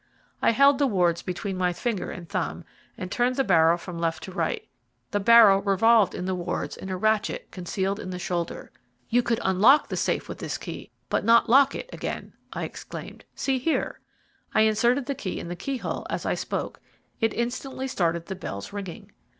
I held the wards between my finger and thumb, and turned the barrel from left to right. The barrel revolved in the wards in a ratchet concealed in the shoulder. "You could unlock the safe with this key, but not lock it again," I exclaimed. "See here." I inserted the key in the keyhole as I spoke. It instantly started the bells ringing.